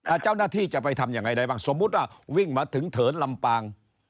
เจ้าหน้าที่จะไปทำยังไงได้บ้างสมมุติว่าวิ่งมาถึงเถินลำปาง